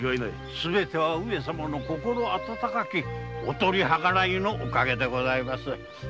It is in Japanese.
すべては上様の心温かきお取り計らいのお陰でございます。